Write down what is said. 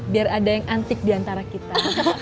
biar ada yang antik diantara kita